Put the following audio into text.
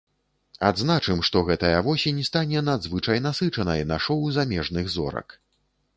Адзначым, што гэтая восень стане надзвычай насычанай на шоў замежных зорак.